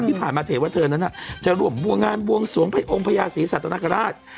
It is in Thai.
ที่ผ่านมาเพตวดเถินนั่นน่ะจะรวมบวงงานบวงสวงไปองค์พยาศิริสัตวนคราช